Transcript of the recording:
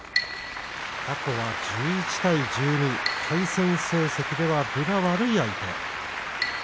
過去は１１対１２対戦成績では分が悪い相手。